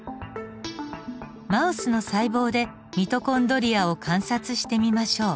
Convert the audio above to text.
マウスの細胞でミトコンドリアを観察してみましょう。